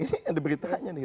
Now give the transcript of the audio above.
ini ada beritanya nih